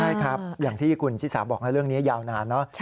อย่างที่คุณชิตสามบอกว่าเรื่องนี้ยาวนาน